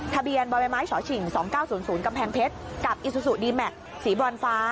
ทะเบียนบ่อใบไม้ฉอฉิง๒๙๐๐กำแพงเพชรกับอิซูซูดีแม็กซ์สีบรอนฟ้า